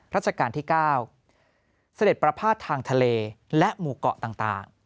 ราชการที่๙เสด็จประพาททางทะเลและหมู่เกาะต่าง